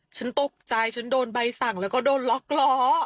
ฉันตกใจฉันโดนใบสั่งแล้วก็โดนล็อกล้อ